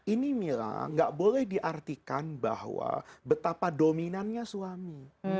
ini mila gak boleh diartikan bahwa betapa dominannya suami